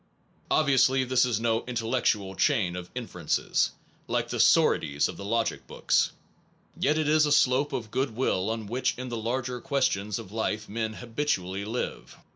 Obviously this is no intellectual chain of infer ences, like the sorites of the logic books. Yet it is a slope of good will on which in the larger questions of life men habitually live.